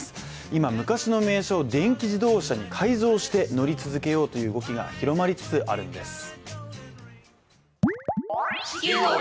今、昔の名車を電気自動車に改造して乗り続けようという動きが広まりつつあるんです。